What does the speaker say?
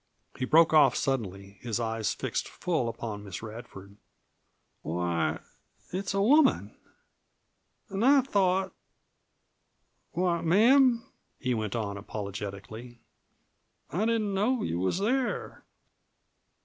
he broke off suddenly, his eyes fixed full upon Miss Radford. "Why, it's a woman! An' I thought Why, ma'am," he went on, apologetically, "I didn't know you was there!